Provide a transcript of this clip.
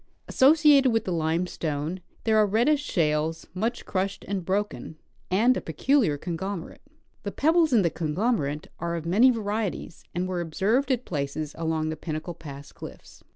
Associated with the limestone there are reddish shales, much crushed and broken, and a peculiar con glomerate. The pebbles in the conglomerate are of many varie ties, and were observed at places along the Pinnacle pass cliffs.